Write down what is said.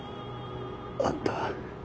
あんた